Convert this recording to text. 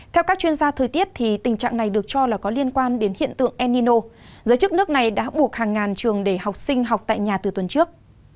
theo các chuyên gia thời tiết tình trạng này được cho là có liên quan đến hiện tượng enino giới chức nước này đã buộc hàng ngàn trường để học sinh học tại nhà từ tuần trước